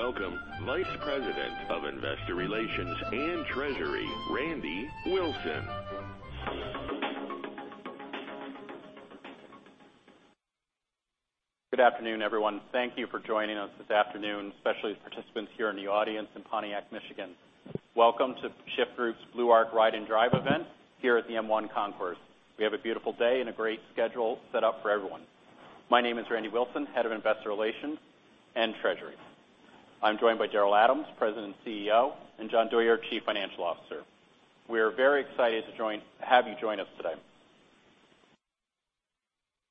Please welcome Vice President of Investor Relations and Treasury, Randy Wilson. Good afternoon, everyone. Thank you for joining us this afternoon, especially participants here in the audience in Pontiac, Michigan. Welcome to The Shyft Group's Blue Arc Ride and Drive event here at the M1 Concourse. We have a beautiful day and a great schedule set up for everyone. My name is Randy Wilson, head of Investor Relations and Treasury. I'm joined by Daryl Adams, President and CEO, and John Douyard, our Chief Financial Officer. We are very excited to have you join us today.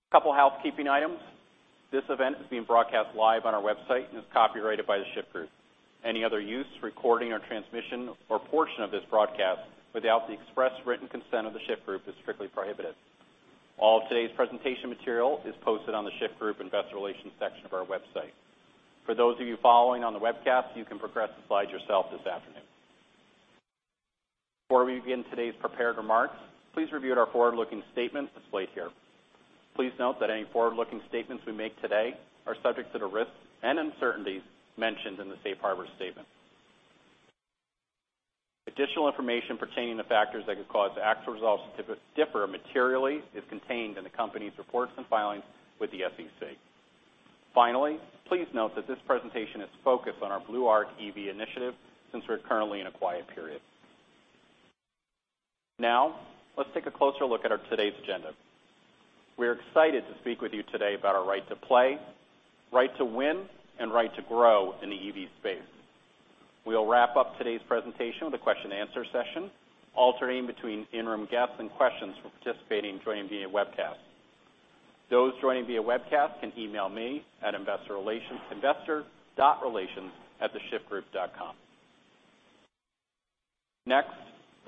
A couple housekeeping items. This event is being broadcast live on our website and is copyrighted by The Shyft Group. Any other use, recording, or transmission or portion of this broadcast without the express written consent of The Shyft Group is strictly prohibited. All of today's presentation material is posted on The Shyft Group investor relations section of our website. For those of you following on the webcast, you can progress the slides yourself this afternoon. Before we begin today's prepared remarks, please review our forward-looking statements displayed here. Please note that any forward-looking statements we make today are subject to the risks and uncertainties mentioned in the safe harbor statement. Additional information pertaining to factors that could cause the actual results to differ materially is contained in the company's reports and filings with the SEC. Finally, please note that this presentation is focused on our Blue Arc EV initiative since we're currently in a quiet period. Now, let's take a closer look at our today's agenda. We're excited to speak with you today about our right to play, right to win, and right to grow in the EV space. We'll wrap up today's presentation with a question and answer session, alternating between in-person and questions from participants joining via webcast. Those joining via webcast can email me at Investor Relations, investor.relations@theshyftgroup.com. Next,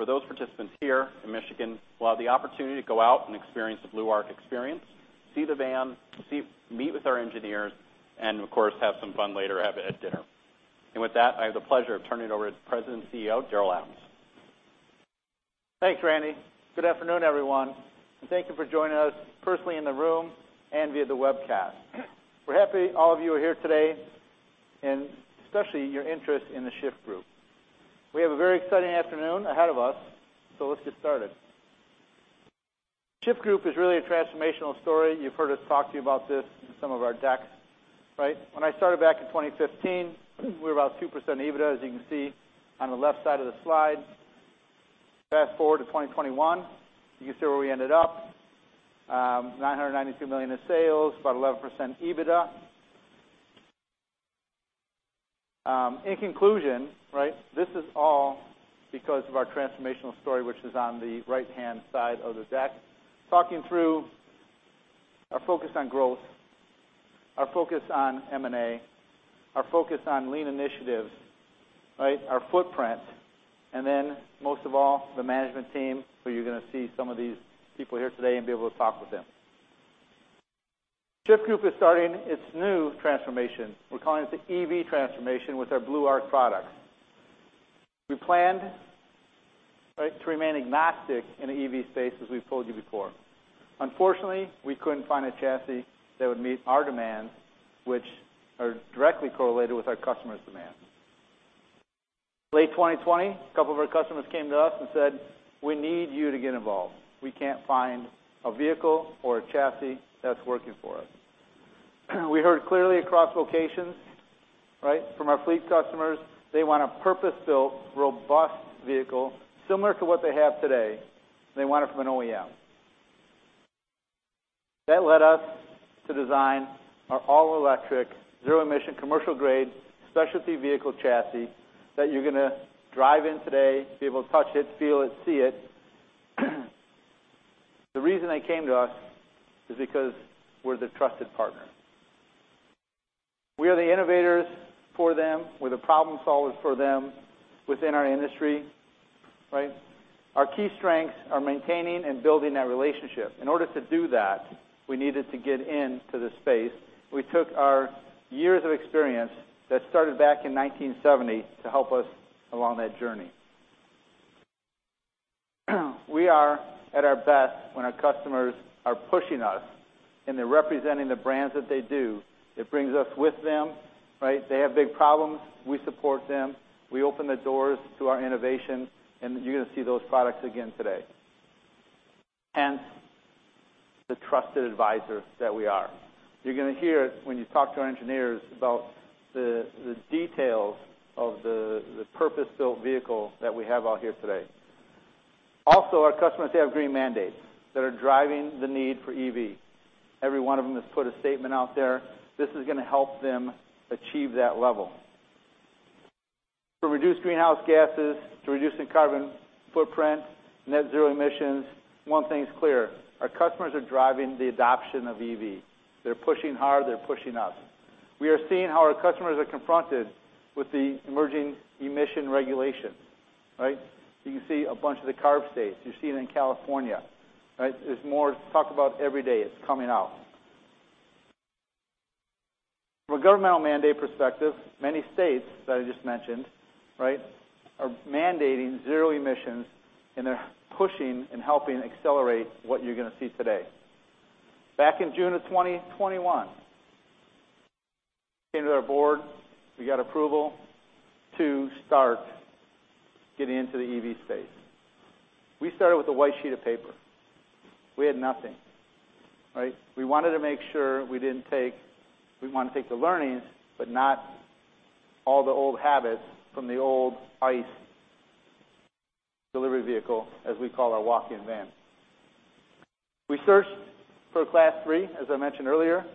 those participants here in Michigan will have the opportunity to go out and experience the Blue Arc experience, see the van, meet with our engineers, and of course, have some fun later at dinner. With that, I have the pleasure of turning it over to President and CEO, Daryl Adams. Thanks, Randy. Good afternoon, everyone, and thank you for joining us personally in the room and via the webcast. We're happy all of you are here today, and especially your interest in The Shyft Group. We have a very exciting afternoon ahead of us, so let's get started. Shyft Group is really a transformational story. You've heard us talk to you about this in some of our decks, right? When I started back in 2015, we were about 2% EBITDA, as you can see on the left side of the slide. Fast-forward to 2021, you can see where we ended up, $992 million in sales, about 11% EBITDA. In conclusion, right, this is all because of our transformational story, which is on the right-hand side of the deck. Talking through our focus on growth, our focus on M&A, our focus on lean initiatives, right? Our footprint, and then most of all, the management team, who you're gonna see some of these people here today and be able to talk with them. The Shyft Group is starting its new transformation. We're calling it the EV transformation with our Blue Arc products. We planned, right, to remain agnostic in the EV space, as we've told you before. Unfortunately, we couldn't find a chassis that would meet our demands, which are directly correlated with our customers' demands. Late 2020, a couple of our customers came to us and said, "We need you to get involved. We can't find a vehicle or a chassis that's working for us." We heard clearly across locations, right, from our fleet customers, they want a purpose-built, robust vehicle similar to what they have today, and they want it from an OEM. That led us to design our all-electric, zero-emission, commercial-grade, specialty vehicle chassis that you're gonna drive in today, be able to touch it, feel it, see it. The reason they came to us is because we're the trusted partner. We are the innovators for them. We're the problem solvers for them within our industry, right? Our key strengths are maintaining and building that relationship. In order to do that, we needed to get into the space. We took our years of experience that started back in 1970 to help us along that journey. We are at our best when our customers are pushing us, and they're representing the brands that they do. It brings us with them, right? They have big problems, we support them. We open the doors to our innovation, and you're gonna see those products again today. Hence, the trusted advisors that we are. You're gonna hear when you talk to our engineers about the details of the purpose-built vehicle that we have out here today. Also, our customers, they have green mandates that are driving the need for EV. Every one of them has put a statement out there. This is gonna help them achieve that level. To reduce greenhouse gases, to reducing carbon footprint, net zero emissions, one thing's clear, our customers are driving the adoption of EV. They're pushing hard. They're pushing us. We are seeing how our customers are confronted with the emerging emission regulation, right? You can see a bunch of the CARB states. You see it in California, right? There's more talk about every day it's coming out. From a governmental mandate perspective, many states that I just mentioned, right, are mandating zero emissions, and they're pushing and helping accelerate what you're gonna see today. Back in June of 2021, came to our board, we got approval to start getting into the EV space. We started with a white sheet of paper. We had nothing, right? We wanted to make sure we want to take the learnings, but not all the old habits from the old ICE delivery vehicle, as we call our walk-in van. We searched for Class 3, as I mentioned earlier.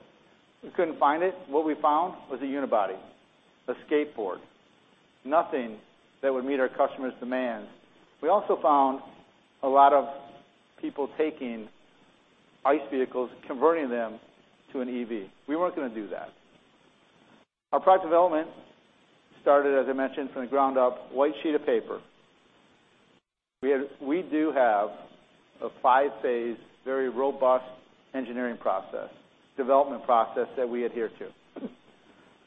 We couldn't find it. What we found was a unibody, a skateboard, nothing that would meet our customers' demands. We also found a lot of people taking ICE vehicles, converting them to an EV. We weren't gonna do that. Our product development started, as I mentioned, from the ground up, blank sheet of paper. We do have a five-phase, very robust engineering process, development process that we adhere to.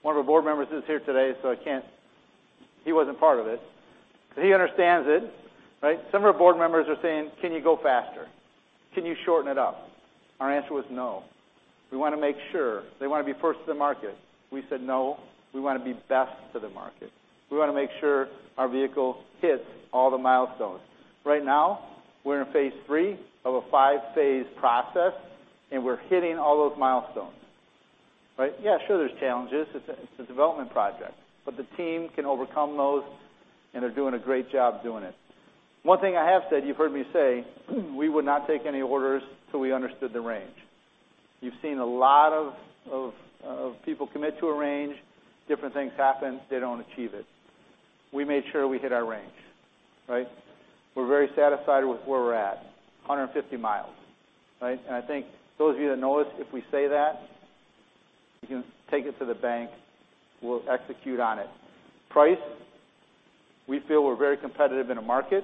One of our board members is here today, so I can't. He wasn't part of this. He understands it, right? Some of our board members are saying, "Can you go faster? Can you shorten it up?" Our answer was no. We wanna make sure. They wanna be first to the market. We said, no, we wanna be best to the market. We wanna make sure our vehicle hits all the milestones. Right now, we're in phase 3 of a 5-phase process, and we're hitting all those milestones, right? Yeah, sure, there's challenges. It's a development project. The team can overcome those, and they're doing a great job doing it. One thing I have said, you've heard me say, we would not take any orders till we understood the range. You've seen a lot of people commit to a range, different things happen, they don't achieve it. We made sure we hit our range, right? We're very satisfied with where we're at, 150 miles, right? I think those of you that know us, if we say that, you can take it to the bank, we'll execute on it. Price, we feel we're very competitive in a market.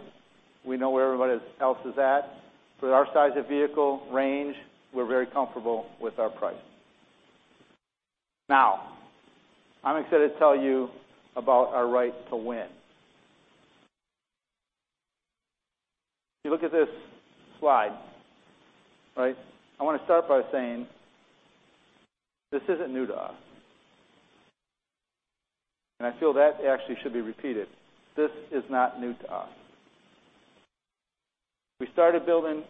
We know where everybody else is at. For our size of vehicle, range, we're very comfortable with our price. Now, I'm excited to tell you about our right to win. If you look at this slide, right? I wanna start by saying this isn't new to us. I feel that actually should be repeated. This is not new to us. We started building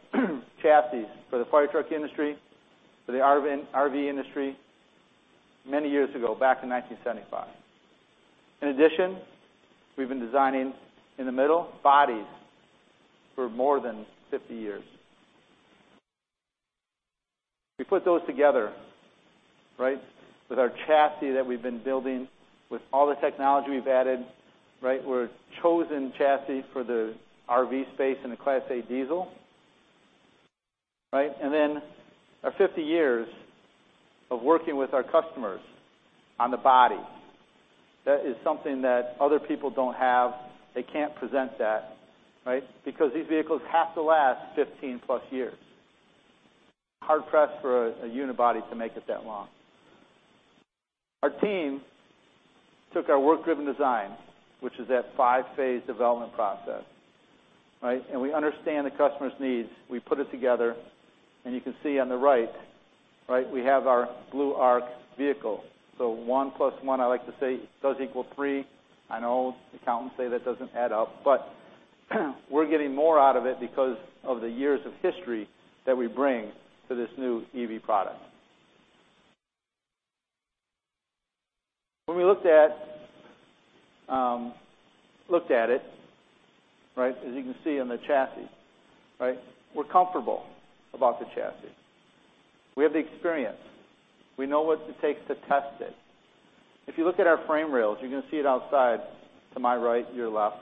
chassis for the fire truck industry, for the RV industry many years ago, back in 1975. In addition, we've been designing, in the middle, bodies for more than 50 years. We put those together, right? With our chassis that we've been building, with all the technology we've added, right? We're chosen chassis for the RV space and the Class A diesel, right? Then our 50 years of working with our customers on the body, that is something that other people don't have. They can't present that, right? Because these vehicles have to last 15+ years. Hard-pressed for a unibody to make it that long. Our team took our work-driven design, which is that 5-phase development process, right? We understand the customer's needs. We put it together, and you can see on the right, we have our Blue Arc vehicle. 1 + 1, I like to say, does equal 3. I know accountants say that doesn't add up, but we're getting more out of it because of the years of history that we bring to this new EV product. When we looked at it, right, as you can see in the chassis, right? We're comfortable about the chassis. We have the experience. We know what it takes to test it. If you look at our frame rails, you're gonna see it outside to my right, your left.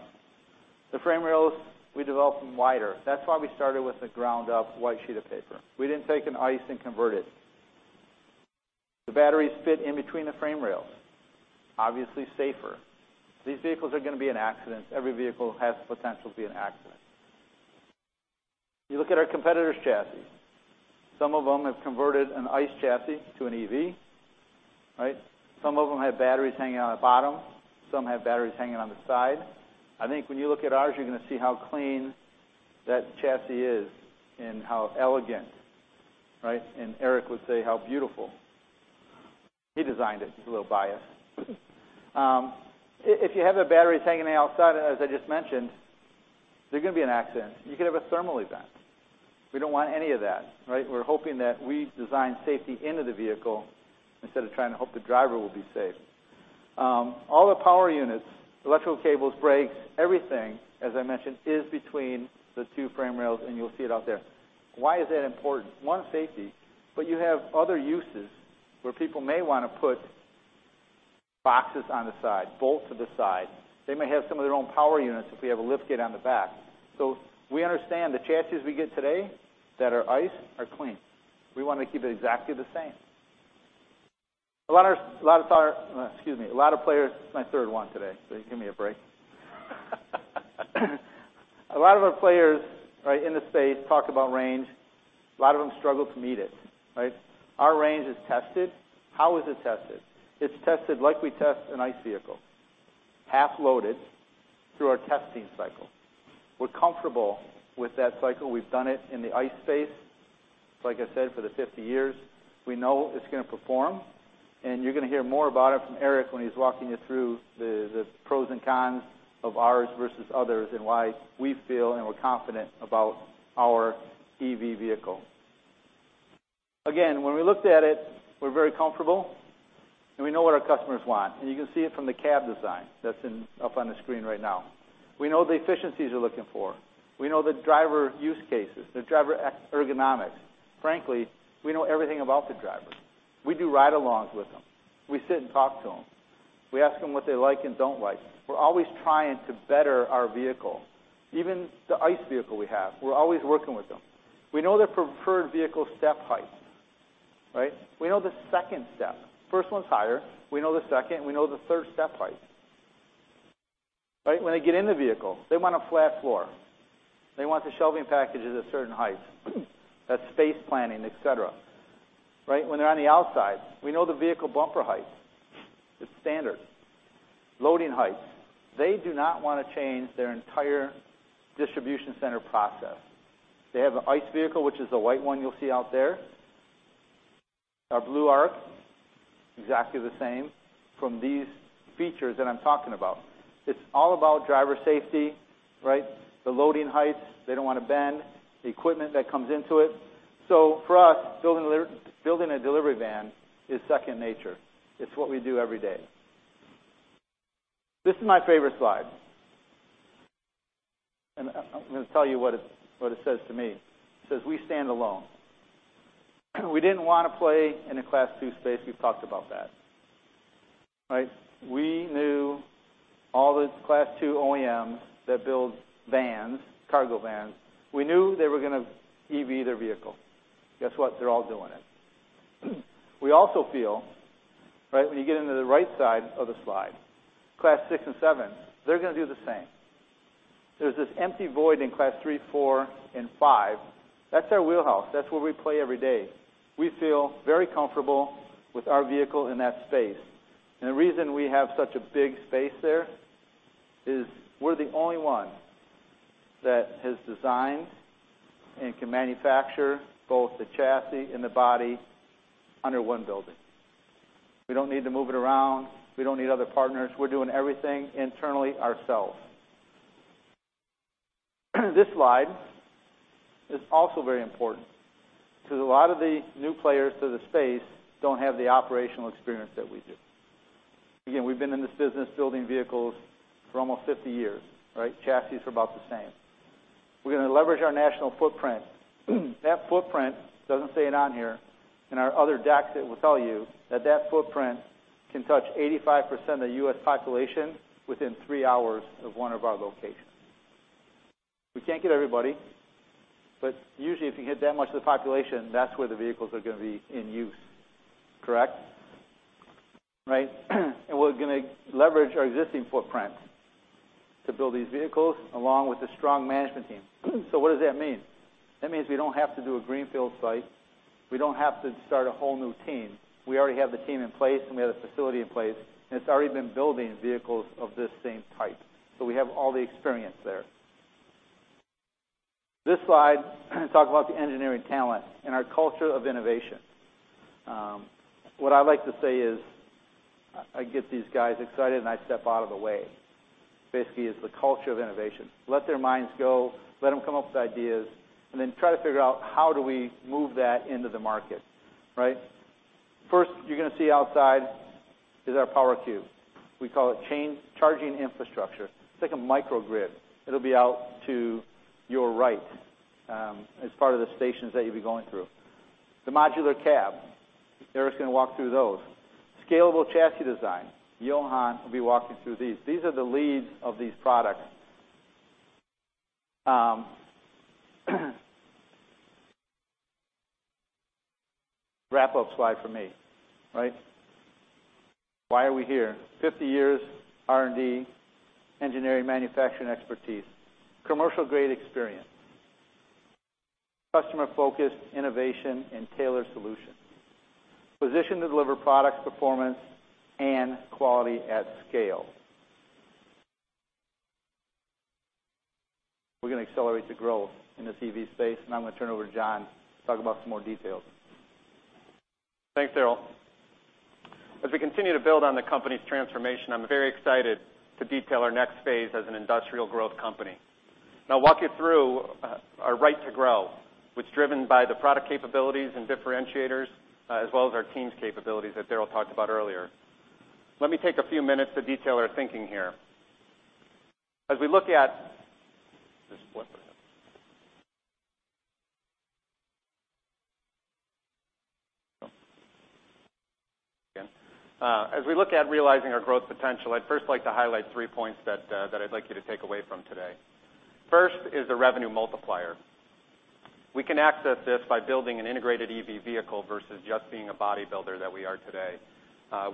The frame rails, we developed them wider. That's why we started from the ground up white sheet of paper. We didn't take an ICE and convert it. The batteries fit in between the frame rails, obviously safer. These vehicles are gonna be in accidents. Every vehicle has the potential to be in an accident. You look at our competitors' chassis. Some of them have converted an ICE chassis to an EV, right? Some of them have batteries hanging on the bottom. Some have batteries hanging on the side. I think when you look at ours, you're gonna see how clean that chassis is and how elegant, right? Eric would say, "How beautiful." He designed it. He's a little biased. If you have the batteries hanging outside, as I just mentioned, there can be an accident. You could have a thermal event. We don't want any of that, right? We're hoping that we design safety into the vehicle instead of trying to hope the driver will be safe. All the power units, electrical cables, brakes, everything, as I mentioned, is between the two frame rails, and you'll see it out there. Why is that important? One, safety, but you have other uses where people may wanna put boxes on the side, bolts to the side. They may have some of their own power units if we have a lift gate on the back. We understand the chassis we get today that are ICE are clean. We wanna keep it exactly the same. A lot of our players, right, in the space talk about range. A lot of them struggle to meet it, right? Our range is tested. How is it tested? It's tested like we test an ICE vehicle. Half loaded through our testing cycle. We're comfortable with that cycle. We've done it in the ICE space, like I said, for the 50 years. We know it's gonna perform, and you're gonna hear more about it from Eric when he's walking you through the pros and cons of ours versus others and why we feel and we're confident about our EV vehicle. Again, when we looked at it, we're very comfortable, and we know what our customers want. You can see it from the cab design that's up on the screen right now. We know the efficiencies they're looking for. We know the driver use cases, the driver ergonomics. Frankly, we know everything about the driver. We do ride-alongs with them. We sit and talk to them. We ask them what they like and don't like. We're always trying to better our vehicle. Even the ICE vehicle we have, we're always working with them. We know their preferred vehicle step height, right? We know the second step. First one's higher. We know the second, and we know the third step height. Right? When they get in the vehicle, they want a flat floor. They want the shelving packages at certain heights. That's space planning, et cetera. Right? When they're on the outside, we know the vehicle bumper height. It's standard. Loading heights. They do not wanna change their entire distribution center process. They have an ICE vehicle, which is the white one you'll see out there. Our Blue Arc, exactly the same from these features that I'm talking about. It's all about driver safety, right? The loading heights. They don't wanna bend. The equipment that comes into it. For us, building a delivery van is second nature. It's what we do every day. This is my favorite slide. I'm gonna tell you what it says to me. It says, "We stand alone." We didn't wanna play in a Class 2 space. We've talked about that, right? We knew all the Class 2 OEMs that build vans, cargo vans, we knew they were gonna EV their vehicle. Guess what? They're all doing it. We also feel, right, when you get into the right side of the slide, Class 6 and 7, they're gonna do the same. There's this empty void in Class 3, 4, and 5. That's our wheelhouse. That's where we play every day. We feel very comfortable with our vehicle in that space. The reason we have such a big space there is we're the only one that has designed and can manufacture both the chassis and the body under one building. We don't need to move it around. We don't need other partners. We're doing everything internally ourselves. This slide is also very important because a lot of the new players to the space don't have the operational experience that we do. Again, we've been in this business building vehicles for almost 50 years, right? Chassis for about the same. We're gonna leverage our national footprint. That footprint, doesn't say it on here, in our other decks, it will tell you that that footprint can touch 85% of the U.S. population within 3 hours of one of our locations. We can't get everybody, but usually, if you hit that much of the population, that's where the vehicles are gonna be in use. Correct? Right? We're gonna leverage our existing footprint to build these vehicles along with a strong management team. What does that mean? That means we don't have to do a greenfield site. We don't have to start a whole new team. We already have the team in place, and we have the facility in place, and it's already been building vehicles of this same type. We have all the experience there. This slide talks about the engineering talent and our culture of innovation. What I like to say is I get these guys excited, and I step out of the way. Basically, it's the culture of innovation. Let their minds go, let them come up with ideas, and then try to figure out how do we move that into the market, right? First, you're gonna see outside is our Power Cube. We call it charging infrastructure. It's like a microgrid. It'll be out to your right, as part of the stations that you'll be going through. The modular cab, Eric's gonna walk through those. Scalable chassis design, Juris Pagrabs will be walking through these. These are the leads of these products. Wrap-up slide for me, right? Why are we here? 50 years R&D, engineering, manufacturing expertise. Commercial-grade experience. Customer-focused innovation and tailored solutions. Positioned to deliver product performance and quality at scale. We're gonna accelerate the growth in this EV space, and I'm gonna turn it over to John Douyard to talk about some more details. Thanks, Daryl. As we continue to build on the company's transformation, I'm very excited to detail our next phase as an industrial growth company. I'll walk you through our right to grow, which is driven by the product capabilities and differentiators, as well as our team's capabilities that Daryl talked about earlier. Let me take a few minutes to detail our thinking here. As we look at realizing our growth potential, I'd first like to highlight three points that I'd like you to take away from today. First is the revenue multiplier. We can access this by building an integrated EV vehicle versus just being a body builder that we are today,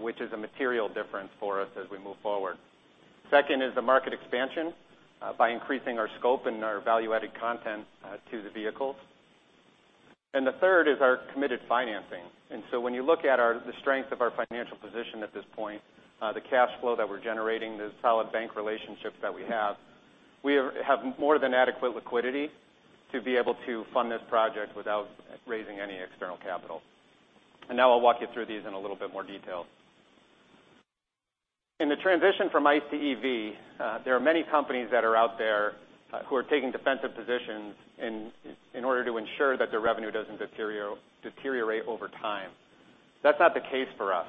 which is a material difference for us as we move forward. Second is the market expansion by increasing our scope and our value-added content to the vehicles. The third is our committed financing. When you look at the strength of our financial position at this point, the cash flow that we're generating, the solid bank relationships that we have, we have more than adequate liquidity to be able to fund this project without raising any external capital. Now I'll walk you through these in a little bit more detail. In the transition from ICE to EV, there are many companies that are out there who are taking defensive positions in order to ensure that their revenue doesn't deteriorate over time. That's not the case for us.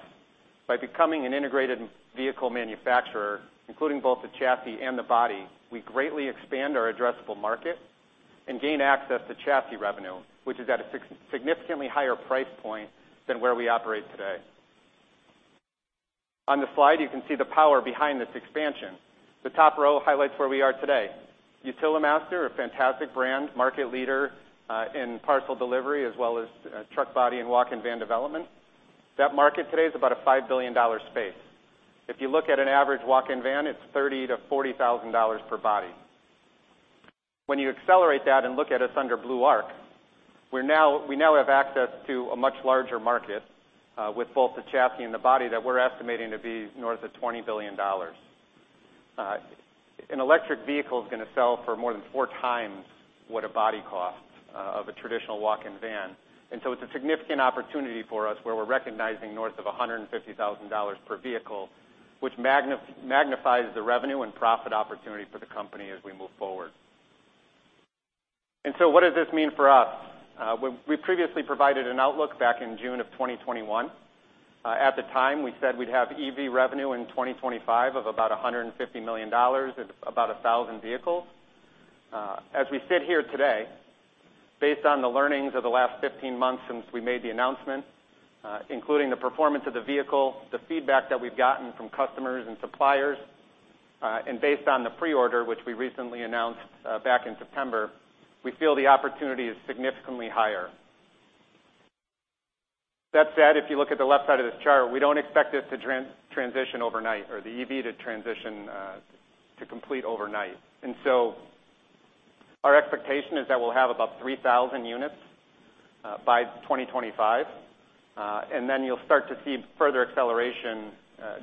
By becoming an integrated vehicle manufacturer, including both the chassis and the body, we greatly expand our addressable market and gain access to chassis revenue, which is at a significantly higher price point than where we operate today. On the slide, you can see the power behind this expansion. The top row highlights where we are today. Utilimaster, a fantastic brand, market leader, in parcel delivery as well as truck body and walk-in van development. That market today is about a $5 billion space. If you look at an average walk-in van, it's $30,000-$40,000 per body. When you accelerate that and look at us under Blue Arc, we now have access to a much larger market with both the chassis and the body that we're estimating to be north of $20 billion. An electric vehicle is gonna sell for more than four times what a body costs of a traditional walk-in van. It's a significant opportunity for us where we're recognizing north of $150,000 per vehicle, which magnifies the revenue and profit opportunity for the company as we move forward. What does this mean for us? We previously provided an outlook back in June of 2021. At the time, we said we'd have EV revenue in 2025 of about $150 million at about 1,000 vehicles. As we sit here today, based on the learnings of the last 15 months since we made the announcement, including the performance of the vehicle, the feedback that we've gotten from customers and suppliers, and based on the pre-order, which we recently announced back in September, we feel the opportunity is significantly higher. That said, if you look at the left side of this chart, we don't expect this to transition overnight or the EV to transition to complete overnight. Our expectation is that we'll have about 3,000 units by 2025, and then you'll start to see further acceleration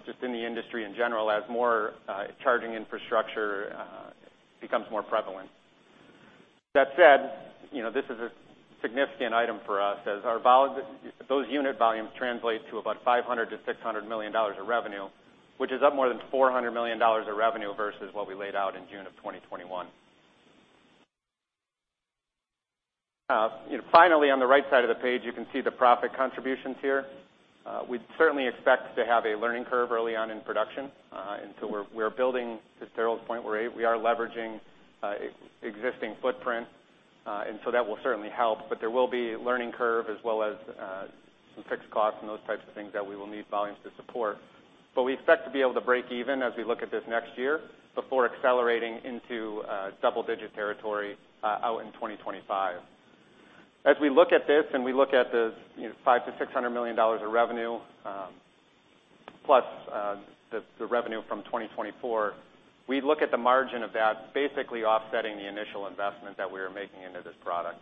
just in the industry in general as more charging infrastructure becomes more prevalent. That said, you know, this is a significant item for us. Those unit volumes translate to about $500-$600 million of revenue, which is up more than $400 million of revenue versus what we laid out in June of 2021. Finally, on the right side of the page, you can see the profit contributions here. We'd certainly expect to have a learning curve early on in production. We're building, to Daryl's point, we are leveraging existing footprint, and that will certainly help. There will be a learning curve as well as some fixed costs and those types of things that we will need volumes to support. We expect to be able to break even as we look at this next year before accelerating into double-digit territory out in 2025. As we look at this and we look at the $500 million-$600 million of revenue, plus the revenue from 2024, we look at the margin of that basically offsetting the initial investment that we are making into this product.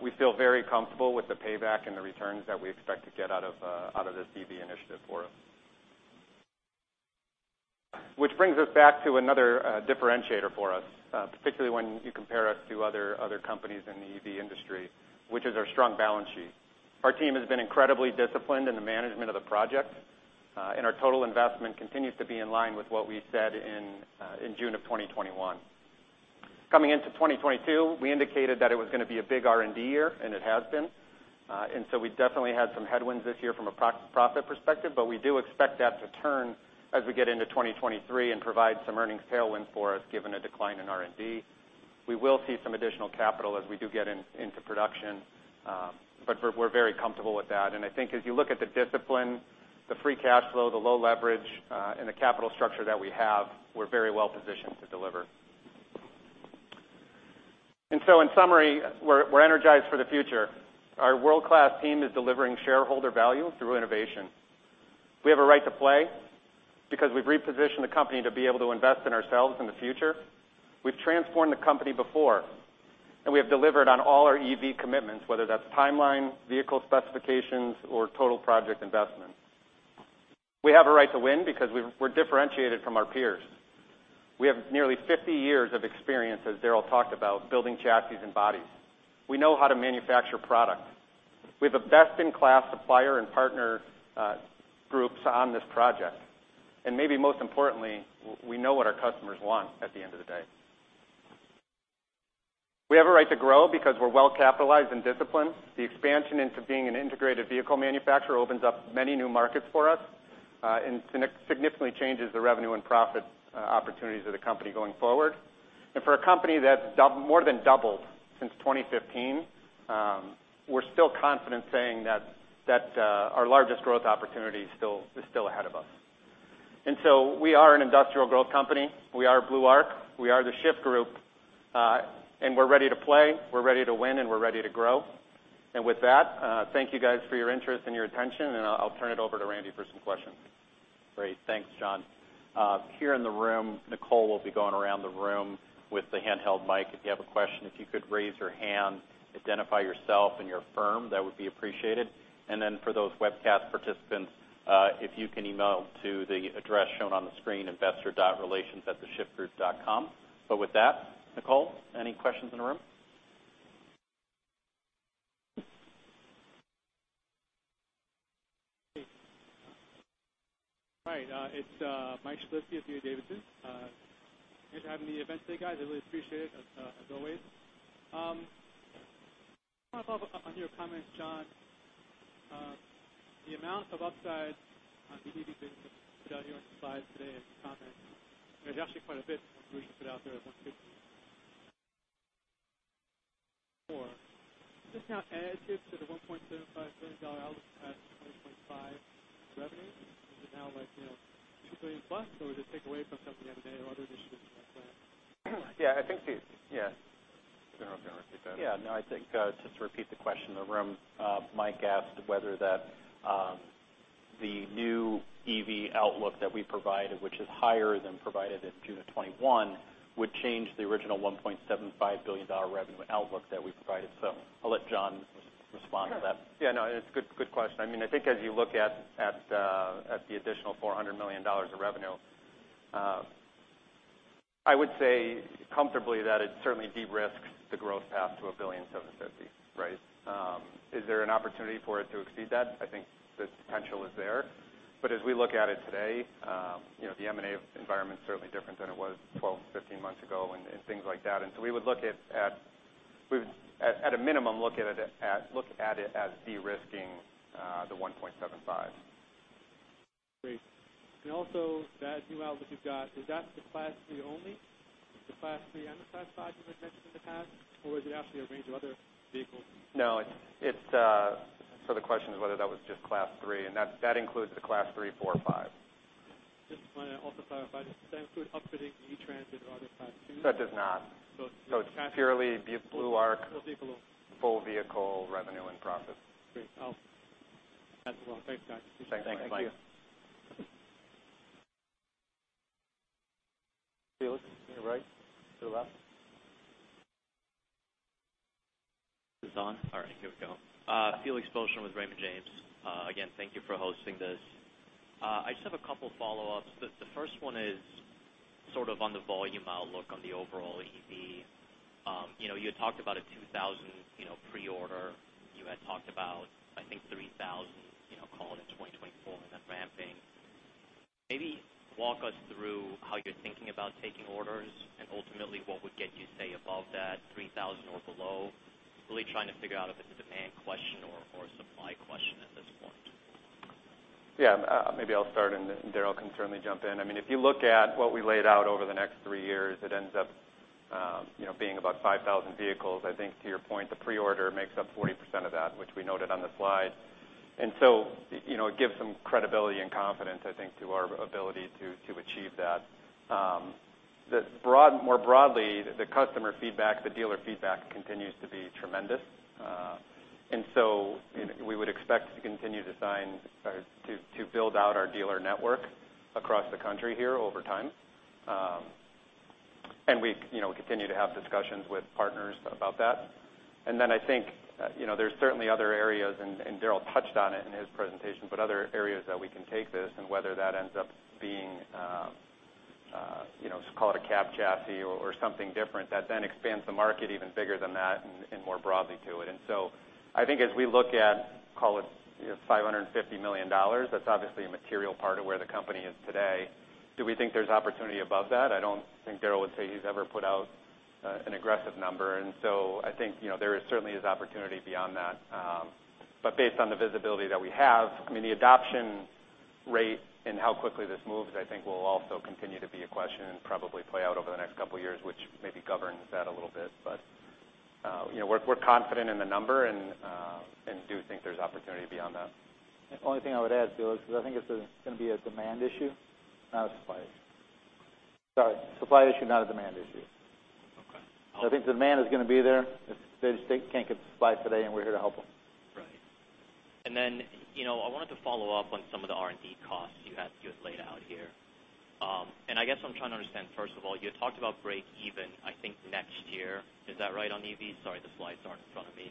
We feel very comfortable with the payback and the returns that we expect to get out of this EV initiative for us. Which brings us back to another differentiator for us, particularly when you compare us to other companies in the EV industry, which is our strong balance sheet. Our team has been incredibly disciplined in the management of the project, and our total investment continues to be in line with what we said in June of 2021. Coming into 2022, we indicated that it was gonna be a big R&D year, and it has been. We definitely had some headwinds this year from a profit perspective, but we do expect that to turn as we get into 2023 and provide some earnings tailwind for us given a decline in R&D. We will see some additional capital as we do get into production, but we're very comfortable with that. I think as you look at the discipline, the free cash flow, the low leverage, and the capital structure that we have, we're very well positioned to deliver. In summary, we're energized for the future. Our world-class team is delivering shareholder value through innovation. We have a right to play because we've repositioned the company to be able to invest in ourselves in the future. We've transformed the company before, and we have delivered on all our EV commitments, whether that's timeline, vehicle specifications, or total project investment. We have a right to win because we're differentiated from our peers. We have nearly 50 years of experience, as Daryl talked about, building chassis and bodies. We know how to manufacture product. We have a best-in-class supplier and partner groups on this project. Maybe most importantly, we know what our customers want at the end of the day. We have a right to grow because we're well capitalized and disciplined. The expansion into being an integrated vehicle manufacturer opens up many new markets for us, and significantly changes the revenue and profit opportunities of the company going forward. For a company that more than doubled since 2015, we're still confident saying that our largest growth opportunity is still ahead of us. We are an industrial growth company. We are Blue Arc. We are The Shyft Group. We're ready to play, we're ready to win, and we're ready to grow. With that, thank you, guys, for your interest and your attention, and I'll turn it over to Randy for some questions. Great. Thanks, Jon. Here in the room, Nicole will be going around the room with the handheld mic. If you have a question, if you could raise your hand, identify yourself and your firm, that would be appreciated. For those webcast participants, if you can email to the address shown on the screen, investor.relations@theshyftgroup.com. With that, Nicole, any questions in the room? Great. All right, it's Mike of D.A. Davidson. Thanks for having the event today, guys. I really appreciate it, as always. I just wanna follow up on your comments, Jon. The amount of upside on the EV business that you put out here on the slides today and your comments is actually quite a bit from what you put out there at 154. Does this now add to the $1.75 billion outlook at 2025 revenue? Is it now like, you know, $2 billion plus, or does it take away from some of the M&A or other initiatives you have planned? I think Daryl can repeat that. No, I think just to repeat the question in the room, Mike asked whether the new EV outlook that we provided, which is higher than provided at June 2021, would change the original $1.75 billion revenue outlook that we provided. I'll let Jon respond to that. Sure. it's a good question. I mean, I think as you look at the additional $400 million of revenue, I would say comfortably that it certainly de-risks the growth path to $1.75 billion, right? Is there an opportunity for it to exceed that? I think the potential is there. As we look at it today, you know, the M&A environment's certainly different than it was 12, 15 months ago and things like that. We would look at it at a minimum as de-risking the $1.75. Great. Also that new outlook you've got, is that the Class 3 only? The Class 3 and the Class 5 you had mentioned in the past? Or is it actually a range of other vehicles? No. It's so the question is whether that was just Class 3, and that includes the Class 3, 4, 5. Just wanna also clarify, does this include upfitting the E-Transit or other Class 2s? That does not. So it's- It's purely the Blue Arc. Those vehicles. Full vehicle revenue and profit. Great. I'll pass it along. Thanks, guys. Thanks, Mike. Thank you. Felix, to your right, to the left. Is this on? All right, here we go. Felix Boeschen with Raymond James. Again, thank you for hosting this. I just have a couple follow-ups. The first one is sort of on the volume outlook on the overall EV. You know, you had talked about a 2,000, you know, pre-order. You had talked about, I think, 3,000, you know, call it in 2024 in that ramping. Maybe walk us through how you're thinking about taking orders and ultimately what would get you, say, above that 3,000 or below, really trying to figure out if it's a demand question or a supply question at this point. Yeah, maybe I'll start, and then Daryl can certainly jump in. I mean, if you look at what we laid out over the next three years, it ends up, you know, being about 5,000 vehicles. I think to your point, the pre-order makes up 40% of that, which we noted on the slide. It gives some credibility and confidence, I think, to our ability to achieve that. More broadly, the customer feedback, the dealer feedback continues to be tremendous. We would expect to continue to sign or to build out our dealer network across the country here over time. We, continue to have discussions with partners about that. I think, you know, there's certainly other areas, and Daryl touched on it in his presentation, but other areas that we can take this and whether that ends up being, you know, just call it a cab chassis or something different that then expands the market even bigger than that and more broadly to it. I think as we look at, call it, you know, $550 million, that's obviously a material part of where the company is today. Do we think there's opportunity above that? I don't think Daryl would say he's ever put out an aggressive number. I think, you know, there is certainly opportunity beyond that. Based on the visibility that we have, I mean, the adoption rate and how quickly this moves, I think will also continue to be a question and probably play out over the next couple years, which maybe governs that a little bit. You know, we're confident in the number and do think there's opportunity beyond that. The only thing I would add to it is I think it's gonna be a demand issue, not a supply issue. Sorry, supply issue, not a demand issue. Okay. I think demand is gonna be there. They just can't get supply today, and we're here to help them. Right. I wanted to follow up on some of the R&D costs you had laid out here. I guess I'm trying to understand, first of all, you had talked about break even, I think next year. Is that right on EV? Sorry, the slides aren't in front of me.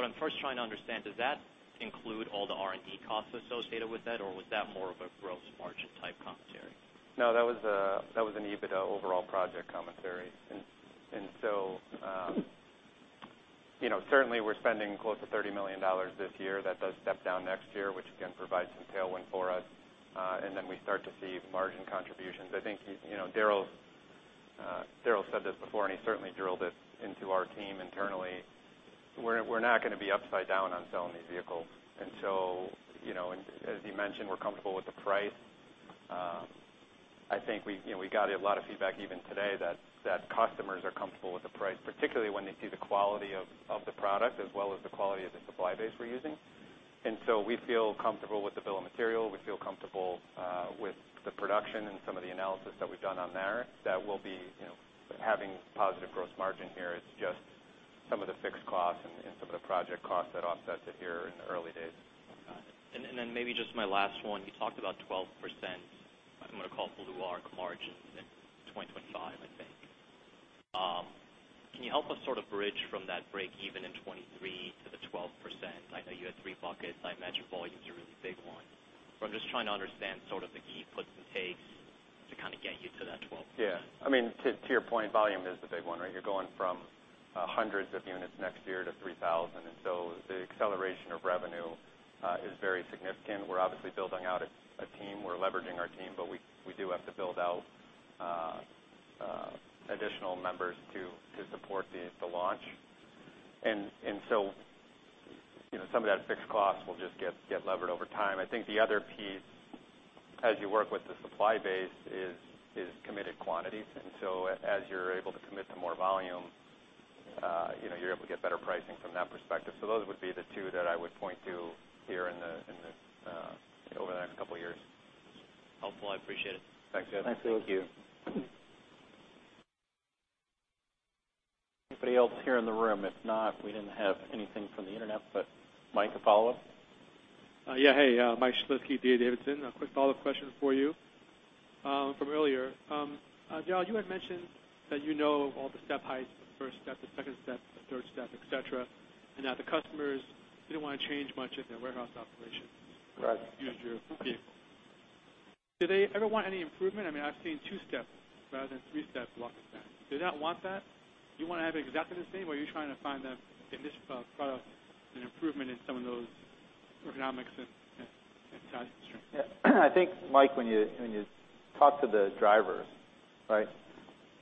What I'm first trying to understand, does that include all the R&D costs associated with that, or was that more of a gross margin type commentary? No, that was an EBITDA overall project commentary. Certainly we're spending close to $30 million this year. That does step down next year, which again provides some tailwind for us. We start to see margin contributions. I think, you know, Daryl said this before, and he certainly drilled it into our team internally. We're not gonna be upside down on selling these vehicles. You know, as he mentioned, we're comfortable with the price. I think, you know, we got a lot of feedback even today that customers are comfortable with the price, particularly when they see the quality of the product as well as the quality of the supply base we're using. We feel comfortable with the bill of material. We feel comfortable with the production and some of the analysis that we've done on there that we'll be, you know, having positive gross margin here. It is just some of the fixed costs and some of the project costs that offsets it here in the early days. Got it. Maybe just my last one, you talked about 12%, I'm gonna call Blue Arc margin in 2025, I think. Can you help us sort of bridge from that break-even in 2023 to the 12%? I know you had three buckets. I imagine volume's a really big one. I'm just trying to understand sort of the give, puts, and takes to kinda get you to that 12. Yeah. I mean, to your point, volume is the big one, right? You're going from hundreds of units next year to 3,000, so the acceleration of revenue is very significant. We're obviously building out a team. We're leveraging our team, but we do have to build out additional members to support the launch. Some of that fixed cost will just get levered over time. I think the other piece, as you work with the supply base, is committed quantities. As you're able to commit to more volume, you know, you're able to get better pricing from that perspective. Those would be the two that I would point to here over the next couple years. Helpful. I appreciate it. Thanks, Ed. Thank you. Anybody else here in the room? If not, we didn't have anything from the internet, but Mike, a follow-up? Yeah. Hey, Mike Shlisky, D.A. Davidson. A quick follow-up question for you, from earlier. John Douyard, you had mentioned that you know all the step heights, the first step, the second step, the third step, et cetera, and that the customers didn't wanna change much in their warehouse operations- Right To use your vehicle. Do they ever want any improvement? I mean, I've seen two-step rather than three-step walk-in vans. Do they not want that? Do you wanna have it exactly the same, or are you trying to find the niche of product, an improvement in some of those ergonomics and size and strength? Yeah. I think, Mike, when you talk to the drivers, right?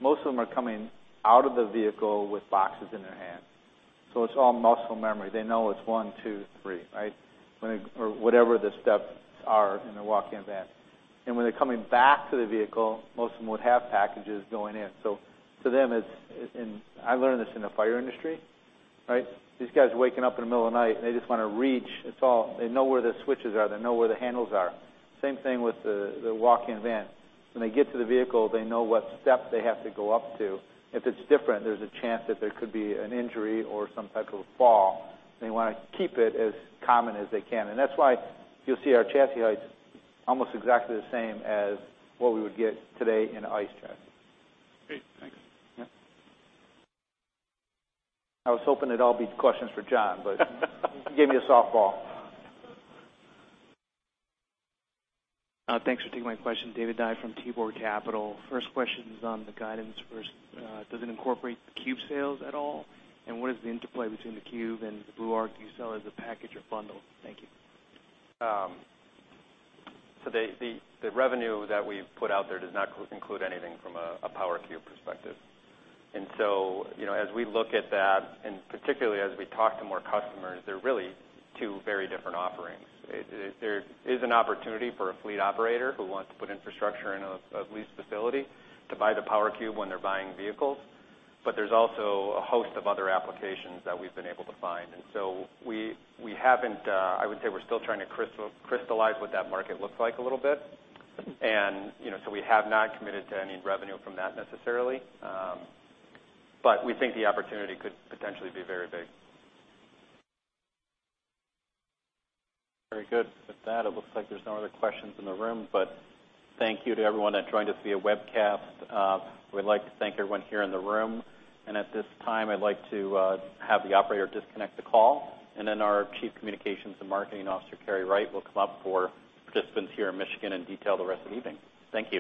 Most of them are coming out of the vehicle with boxes in their hand, so it's all muscle memory. They know it's one, two, three, right? Or whatever the steps are in the walk-in van. When they're coming back to the vehicle, most of them would have packages going in. For them it's muscle memory. I learned this in the fire industry, right? These guys are waking up in the middle of the night, and they just wanna reach. That's all. They know where the switches are. They know where the handles are. Same thing with the walk-in van. When they get to the vehicle, they know what step they have to go up to. If it's different, there's a chance that there could be an injury or some type of a fall. They wanna keep it as common as they can. That's why you'll see our chassis height's almost exactly the same as what we would get today in an ICE chassis. Great. Thanks. Yeah. I was hoping it'd all be questions for Jon, but you gave me a softball. Thanks for taking my question. David Dye from Tebow Capital. First question is on the guidance. First, does it incorporate the cube sales at all, and what is the interplay between the cube and the Blue Arc? Do you sell it as a package or bundle? Thank you. The revenue that we've put out there does not include anything from a Power Cube perspective. As we look at that, and particularly as we talk to more customers, they're really two very different offerings. There is an opportunity for a fleet operator who wants to put infrastructure in a lease facility to buy the Power Cube when they're buying vehicles, but there's also a host of other applications that we've been able to find. We haven't. I would say we're still trying to crystallize what that market looks like a little bit. We have not committed to any revenue from that necessarily. We think the opportunity could potentially be very big. Very good. With that, it looks like there's no other questions in the room. Thank you to everyone that joined us via webcast. We'd like to thank everyone here in the room. At this time, I'd like to have the operator disconnect the call. Then our Chief Communications and Marketing Officer, Carrie Wright, will come up for participants here in Michigan and detail the rest of the evening. Thank you.